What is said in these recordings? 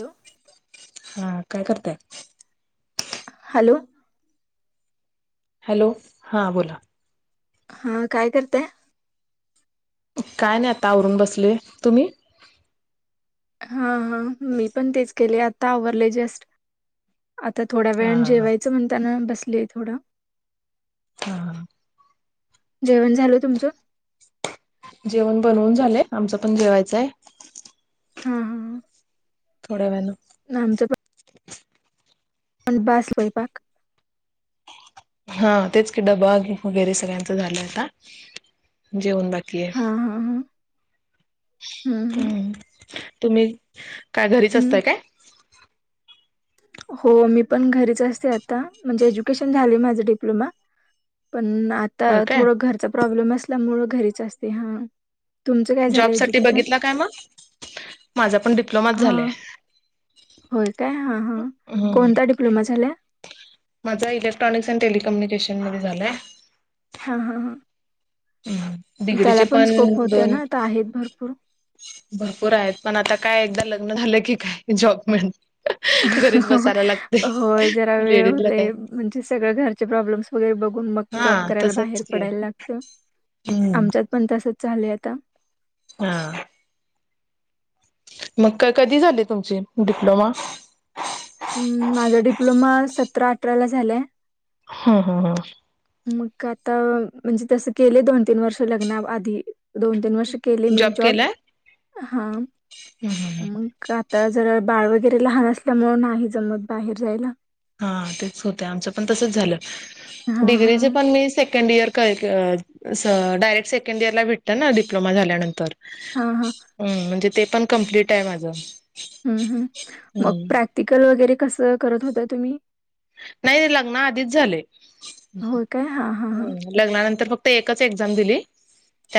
Hello हा काय करताय हॅलो हॅलो हा बोला हा काय करतेय काय नाही आता आवरून बसले तुम्ही हा हा मी पण तेच केले आता आवरले जस्ट आता थोड्या हा वेळ हा जेवायचं म्हणताना बसलीय थोडं हा जेवण झालं तुमचं जेवण बनवून झालंय आमच पण जेवायचय हा हा थोड वण अण बस हो प हा तेच की डबा वगैरे सगळ्यांच झालंय आता जेवण बाकी ओके हा हा हा हम्म हम् तुम्ही काय घरीच हम्म. असताय काय हो मी पण घरीच असते आता म्हणजे एज्युकेशन झालय माझ डिप्लोमा पण आता होय काय थोडं घरचा प्रॉब्लेम असल्यामुळं घरीच असते हा तुमचं काय झालं जॉब साठी एज्युकेशन? बघितला काय मग माझा पण डिप्लोमाच हा झालंय होय काय हा हा कोणता डिप्लोमा झालाय माझा इलेक्ट्रॉनिक्स अँन टेलिकम्युनिकेशन मध्ये झालंय. हा हा हा. उ त्याला डिग्रीचे पण स्कोप होते दोन ना, आता आहेत भरपूर. भरपूर आहेत, पण आता काय एकदा लग्न झालं की काय जॉब मिळ [unintelligible] घ होय जरा वेळ लेडीजला काय होतय म्हणजे सगळ घरचे प्रॉब्लेम्स वगैरे बघून मग हा जॉ जॉब करायला तसच बाहेर की पडायला लागत, हम्म आमच्यात पण तसच झालय आता हा. मग काय कधी झाली तुमची डिप्लोमा? उ माझा डिप्लोमा सतरा अठराला झालाय. हा हा हा. मग आता म्हणजे तस केले दोन तीन वर्ष लग्नाव आधी दोन तीन वर्ष केले मी जॉब, हा हम्म हम्म हम्म. मग आता जरा बाळ व वगैरे लहान असल्यामुळ नाही जमत बाहेर जायला हा तेच होतय, आमच पण तसच झालं हां, डिग्रीच हां. पण मी सेकंड इयर काय [unintelligible] अस डायरेक्ट सेकंड इयरला भेटतं ना डिप्लोमा झाल्यानंतर हां, हां. उम्म म्हणजे ते पण कमप्लीटाय माझं हम्म हम् मग हम्म. प्रॅक्टिकल वगैरे कसं करत होता तुम्ही? नाही लग्ना आधीच झालय, होय काय हा हा [unintelligible] लग्नानंतर फक् ते एकच एक्झाम दिली,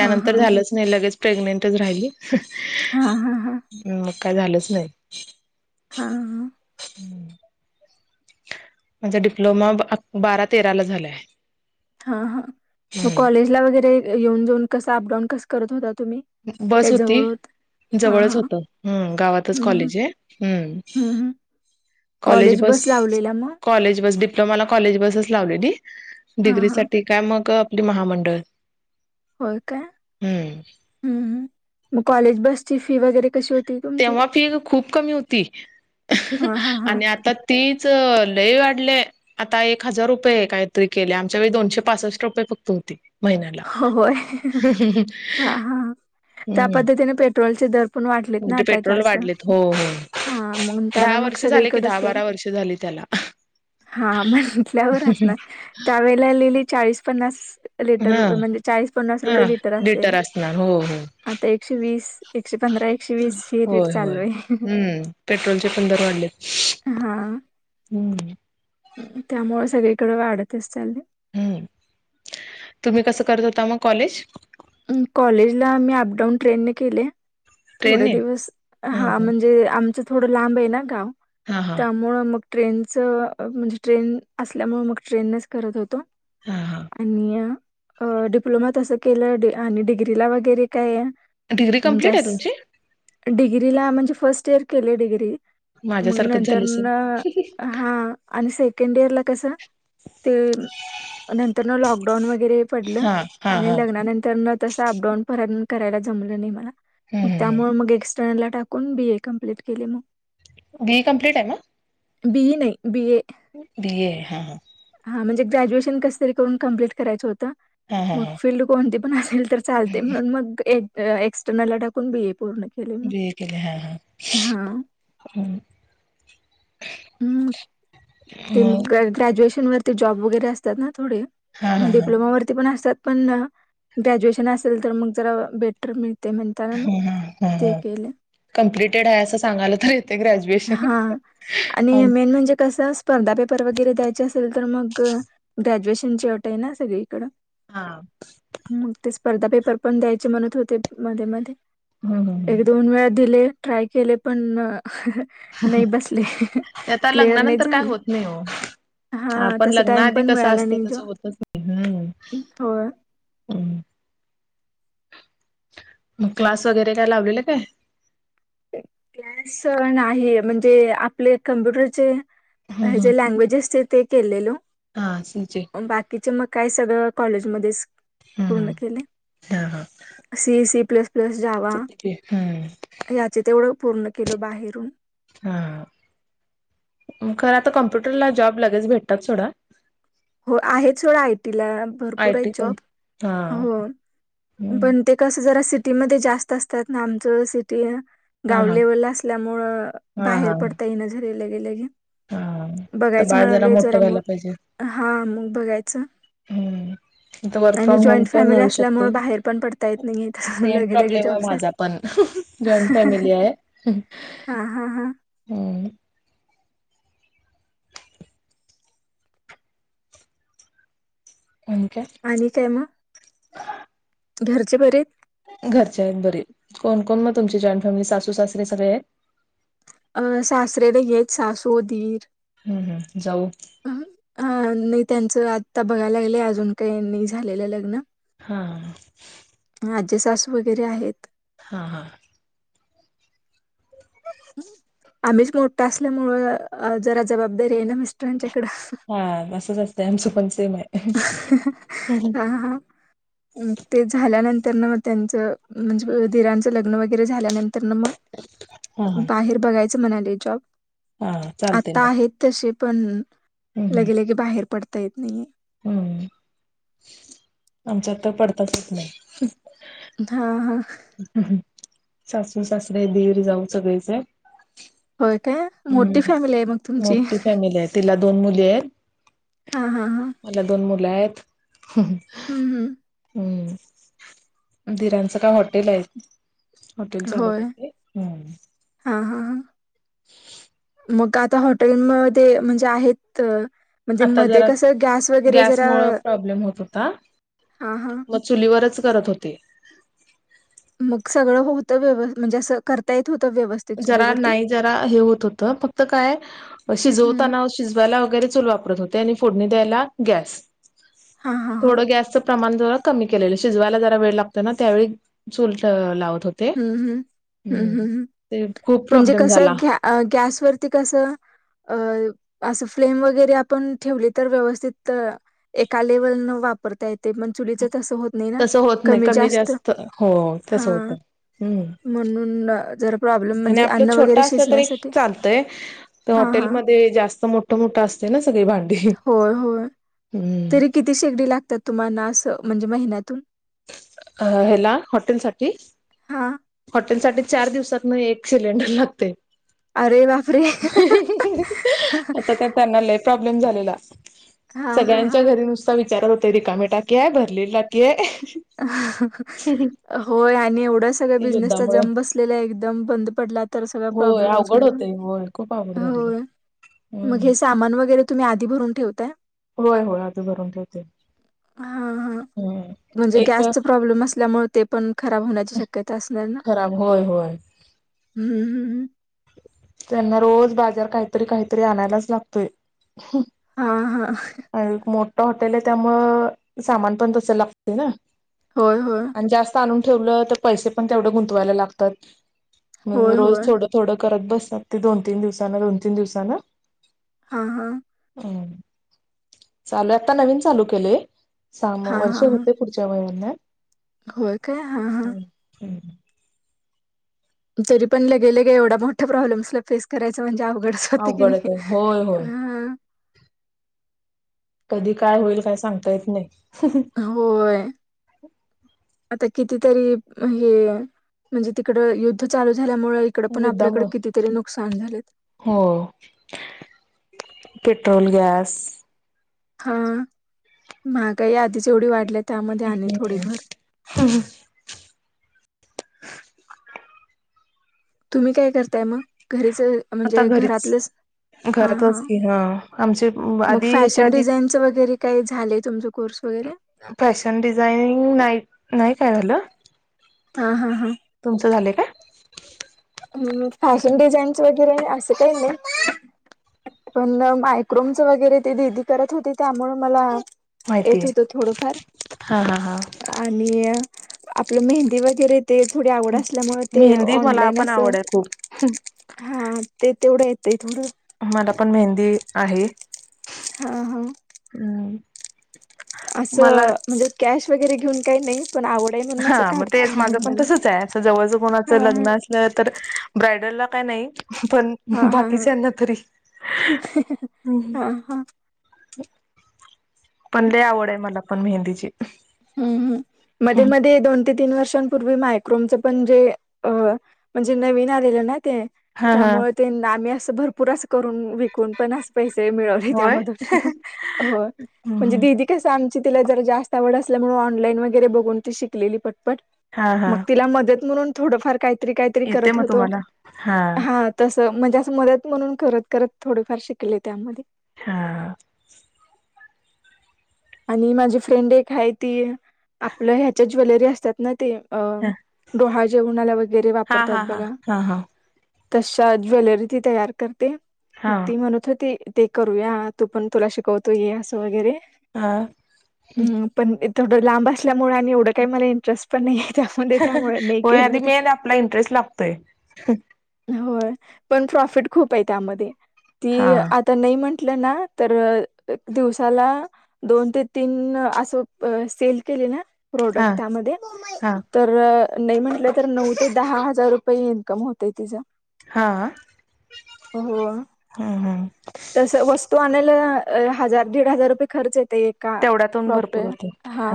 हा हा झालंच नाही लगेच प्रेग्नेंटच राहिली. हा हा हा हा ह मग काय झालंच नाही. हा ह. हम्म. माझा डिप्लोमा [unintelligible] बारा तेरा ला झालाय. हा हा, मग कॉलेजला वगैरे य येऊन जाऊन कस अपडाऊन कस करत होतात? तुम्ही बस काय होती जवळ होत? हा हा जवळच होतं, हम्म गावातच हम्म हम्म कॉलेज ये हम्म हम्म हम्म. कॉलेज बस, कॉलेज बस डिप प्लोमाला मला कॉलेज बसच लावलेली, हा डिग्री हा साठी काय मग आपली महामंडळ होय काय? हम्म हम्म हू मग कॉलेज बसची फी वगैरे कशी हो तेव्हा फी खूप कमी होती हा हा हा आणि आता तीच त लय वाढले, आता एक हजार रुपये काहीतरी केल्या आमच्या वेळी दोनशे पासष्ट रुपये फक्त होती. महिन्याला हो होय हा हा त्या हम्म् पद्धतीने पेट्रोलचे दर पण वाढलेत ना आता जास्त हो हो हा [unintelligible] त्यांना दहा मग वर्ष झाले की सगळीकडच दहा तर बारा वर्ष झाली त्याला हा म्हटल्यावर असणार, त्यावेेळेला लई लई चाळीस पन्नास हा लिटर म्हणजे चाळीस पन्नास हा, रुपये असेल लिटर असणार हो हो आता एकशे वीस एकशे पंधरा एकशे वीस ही रेट होय होय, चालू आहे हम्म पेट्रोलचे पण दर वाढलेत. हम्म. उ त्यामुळ सगळीकड वाढतच चाल्ले हम्म, तुम्ही कसं करत होता मग कॉलेज? उ कॉलेजला मी अपडाऊन ट्रेनने केले. थोडे ट्रेनने दिवस हा म्हणजे आमचं थोडं लांब ये ना गाव हा हा हा त्यामुळ मग ट्रेनचं अ म्हणजे ट्रेन असल्यामुळं मग ट्रेननेच करत होतो. हा हा आणि अ डिप्लोमा तस केलं, डी आणि डिग्रीला वगैरे काय डिग्री म्हणजे कंम्पलीट आय अस तुमची? डिग्रीला म्हणजे फर्स्ट इयर केले डिग्री मग माझ्यासारखंच झालं नंतरन असेल हा आणि सेकंड इयर ला कस ते नंतरन लॉकडाऊन वैगेरे पडलं हा हा आणि हा लग्नानं न तस अपडाउन [unintelligible] करायला जमलं नई मला, मग त्यामुळ मग एक्स टाकून बी ए कंप्लीट केली मग बीए कंम्पलीट आहे म बीई नाही बी ए बिए हा हा म्हणजे ग्रॅज्युएशन कस तरी करून कंप्लीट करायचं होतं हा हा मग हा फील्ड कोणती पण असेल तर चालते म्हणून मग एक्सटर्नलला टाकून बीए केल बी ए केले हा हा हा हम् हम्म. [unintelligible] ते मग ग्रॅज्युएशन वरती जॉब वगैरे असतात ना थोडे हा हा मग हा डिप्लोमा वरती पण असतात पण ग्रॅज्युएशन असेल तर मग जरा बेटर होईल ते म्हणताना मग ते केले कमप्लिटेड आहे असं सांगायला तर यथे ग्रॅज्युएशन हां आणि मेन म्हणजे कसं स्पर्धा पेपर वगैरे द्यायचे असेल तर मग ग्रॅज्युएशनची अट आहे ना सगळीकड मग ते स्पर्धा पेपर पण द्यायचे म्हणत होते मध्ये मध्ये हम् हम् एक दोन वेळा दिले ट्राय केले पण नाही बसले ते आता क्लिअर नाही लग्नानंतर काय झाले होत नाही हो हा आपण तस लग्ना टाइम आधी पण कसं मिळाला असते नाही ज तसं होतच नाही हो हम्म मग क्लास वगैरे काय लावलेलं काय क्लास नाही म्हणजे आपले कम्प्युटरचे जे लँग्वेजेस ते ते केलेलो हा बाकीचे मग काय सगळं कॉलेजमध्येध्येच हम्म पूर्ण केले C C plus plus Java त्या हम् याचे तेवढं पूर्ण केल बाहेरून हा खरं आता कॉम्प्युटरला जॉब लगेच भेटतात सोडा हो आहे सोडं ऐ आयटी ला भरपूर आहेत आयटी जॉब कंप हा पण ते कसा जरा सिटी सिटीमध्ये जास्त असतात ना आमचं सिटी हा गाव हा लेवलला असल्यामुळं हा बाहेर हा पडता येईना झालाय लगे लगेच हा तर बघायचं बाळ म्हणाले मोठं जरा मग व्हायला पाहिजे ह मग बघायचं वर्क आणि फ्रॉम होम जॉईंट पण फॅमिली मिळू असल्यामुळे शकतो बाहेर पण पडता येत नाही सेम लगे लगे प्रॉब्लेम आहे जॉबसाठी माझा पण जॉइंट फॅमिली आहे हा हा हा हं आणि काय आणि काय मग घरचे बरेच घरच्या आहेत बरी कोण कोण मग तुमची जॉईंट फॅमिली सासू सासरी सगळे आहेत. अं सासरेला यच सासूधीर [unintelligible] हम्म हम्म जाऊ नाही त्यांचं आत्ता बघायला लागलं अजून काहीनी झालेलं लग्न हा माजे सासू वगैरे आहेत हा हा आम्हीच मोठा असल्यामुंळ जरा जबाबदारी आहे ना. मिस्टरांच्याकडं हा तसंच असतंय आमचं पण सेम आहे. हा ते झाल्यानंतर त्यांना मग त्यांचं म्हणजे दिरांचं लग्न वगैरे झाल्यानंतर तर ना मग हा हा बाहेर बघायचं म्हणाले जॉब हा चालते आता मग आहेत तसे पण हम्म हम्म लगेलगे बाहेर पडता येत नाहीये. हम्म आमच्यात तर पडताचच येत नाही हा हा सासू सासरे दीर जाऊ सगळेच होय काय मोठी हम्म फॅमिली आहे मग तुमची मोठी फॅमिली आहे तिला दोन मुली आहेत. हा हा हा मला दोन मुलं आहेत हम्म दिराचं काय हॉटेल आहे. हॉटेल चालत हो होय ते हम हा हा हा [inaudible] मग आता हॉटेलमध्ये म्हणजे आहेत म्हणजे आता मध्ये जरा कसं गॅस वगैरे जरा गॅसमुळे प्रॉब्लेम होत हा हा मग चुलीवरचं करत होते. मग सगळं होतं व्य म्हणजे अस करता येत. होतं व्यवस्थित जरा चुलीवरती नाही जरा हे होत होत फक्त काय हम्म शिजवताना शिजवायला वगैरे च वापरत होते आणि फोडणी द्यायला गॅस हा हा हा थोडं गॅसचं प्रमाण जरा कमी केलेलं शिजवायला जरा वेळ लागतो ना त्यावेळी चूल लावत होते. हम्म हम्म हम्म हम्म हम् ते खूप म्हणजे प्रॉब्लेम झाला कसं गॅसवरती कसं अ असं फ्लेम वगैरे आपण ठेवले तर व्यवस्थित एका लेवल न वापरता येत ते पण चुलीच तसं होत नाही ना तसं होत नाही कमी जास्त हो हा तसं होतं. हम्म म्हणुन जरा प्रॉब्लेम आणि म्हणजे आपलं अन्न वगैरे छोटं असलं तरी एक शिजण्यासाठी चालतंय हा हा हॉटेलमध्ये जास्त मोठं मोठं असत. ना सगळी भांडी होय होय हम्म तरी किती शेगडी लागतात तुम्हाना असं म्हणजे महिन्यातून ह्याला हॉटेल साठी हा हॉटेल साठी चार दिवसातन एक सिलेंडर लागते. अरे बापरे आता त्यांना प्रॉब्लेम झालाय हा हा सगळ्यांच्या हा घरी नुसता विचारत होते रिकामे टाकी आहे भरलेली टाकी आहे. होय आणि एवढा सगळ्या बिझनेसचा युद्धामुळं जम बसलेला एकदम बंद पडले तर सगळ होय प्रॉब्लेमच अवघड होत होतय होय खूप अवघड हो. झालेली मग हम्म. हे सामान वगैरे तुम्ही आधी भरून ठेवताय? होय होय आधी भरून ठेवते हा हा हम् म्हणजे गॅसच प्रॉब्लेम असल्यामुळे ते पण खराब होण्याची शक्यता असणार ना खराब होय होय. हम्म हम्म त्यांना रोज बाजार काहीतरी काहीतरी आणायलाच लागतोय हा हा म हॉटेल आहे त्यामु सामान पण तस ला होय होय आणि जास्त आण ठेव तर पैसे पण तेवढ गुंतवायला लागतात होय रोज होय थोडं थोड करत बस ते दोन तीन दिवसाांना दोन तीन दिवसाांना हा हा चालू आता नवीन चालू केलेय साम हा वर्ष हा हा होते पुढच्या वयाना होय काय हा हा तरी पण ल गेले ग एवढ्या मोठ्या प्रॉब्लेम्स फेस करायचा म्हणजे गड स्त क अवघडच नाही आहे होय होय अह कधी काय होईल काय सांगता येत नाही होय आता कितीतरी हे म्हणजे तिकड युद्ध चालू झाल्यामुळे इकड पण आपल्याकडे युद्धामुळे कितीतरी नुकसान झाले हो पेट्रोल गॅस हा महागाई आधीच एवढी वाढल्या त्यामध्ये आणि थोडी भर तुम्ही काय करताय मग घरीच आता म्हणजे घरीच घरातलंच हा हा घरातच की आमचे मग आधी ह्याच्या फॅशन आधी डिझाईनच वगैरे काही झालं तुमचा कोर्स [unintelligible] फॅशन डिझाईनिंग नाही नाही काय झालं हा हा हा तुमचं झालंय काय फॅशन डिझाईन्स वगैरे असं काही नाही पण मायक्रोमच वगैरे ते दिदी करत होते त्यामुळे मला येत माहितीय होत थोडंफार हा हा हा आणि आपलं मेहंदी वगैरे ते थोडी आवड असल्यामुळे ते मेहंदी मला पण ऑनलाईनच आवड आहे खूप हा ते तेवढं येतंय थोडं मला पण मेहंदी आहे हा हा [inaudible] असं मला म्हणजे कॅश वगैरे घेऊन काही नाही पण आवड आहे म्हणून हा असं मग काढते तेच काढून माझं पण म्हणाले. तसच आहे अस जवळ कोणाच हां हां. लग्न असलं तर ब्रायडलला का नाही पण हां हां हां. बाकीच्याना तरी हा हा पण लय आवड आहे मला पण मेहंदीची हम्मम् मध्ये मध्ये दोन तीन वर्षांपूर्वी मायक्रोमच पण जे म्हणजे नवीन आलेलं नाही ते हा हा त्यामुळे ते आम्ही असं भरपूरच करून विकून पण पैसे मिळवले त्या होय मधुन म्हणजे हम्म दिदी काय सांग तिला जरा जास्त आवड असल्यामुळे ऑनलाईन वगैरे बघून ती शिकलेली पटपट हा हा मग तिला मदत म्हणून थोडफार काहीतरी काहीतरी येते करत मग होत तुम्हाला हा म्हणजे असं मदत म्हणून करत करत थोडेफार शिकले त्यामध्ये हा आणि माझी फ्रेंड एक आहे ती आपलं ह्याच्या ज्वेलरी असतात ना ते अ हा डोहाळ जेवणाला वगैरे हा वापरतात हा हा बघा हा तशा ज्वेलरी ती तयार करते मग हा त म्हणूत ती ते करूया तू पण तुला शिकवतो ये असं वगैरे हा ह् तेवढं लांब असल्यामुळे आणि एवढं काही मला इंटरेस्ट पण नाही त्यामध्ये त्यामुळे नाही हो केलं आधी ते मेन आपला इंटरेस्ट लागतोय हो पण प्रॉफिट खूप आहे त्यामध्ये हा ती आता नाही म्हणल ना तर दिवसाला दोन ते तीन असं सेल केले ना हा प्रोडक्ट त्यामध्ये हा तर नाही म्हटलं तर नऊ ते दहा हजार रुपये इन्कम होतय तिज हा हो, हम्म हम्म तस वस्तू आणायला हजार दीड हजार रुपये खर्च येत एका तेवढ्यातून प्रॉपे भरपूर होते हा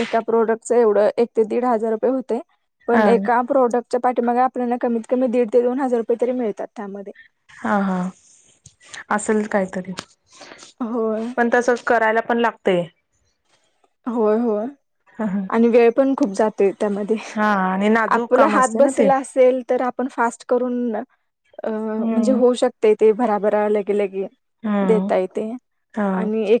एका प्रोडक्ट एवढंच एक ते दीड हजार रुपये होते हा पण एका प्रोडक्ट च्या पाठीमाग आपल्याला कमीत कमी दीड ते दोन हजार रुपय तरी मिळतात त्यामध्ये हा हा असेल काहीतरी होय पण तस करायला पण लागतय होय होय हा आणि वेळ पण खूप जातोय त्यामध्ये आणि नाजूक आपला काम हात असते ना ते बसला असेल, तर आपण फास्ट करून अ म्हणजे हम्म होऊ शकते ते भराभरा लगेलगे हम्म देता येते हा आणि एक